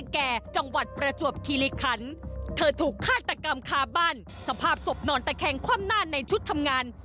ฆาตกรรมคาบ้านสภาพศพนอนแต่แข็งคว่ำหน้าในชุดทำงาน